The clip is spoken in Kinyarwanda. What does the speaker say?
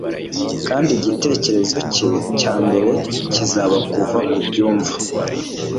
kandi igitereko cye cya mbere kizaba kuva kubyumva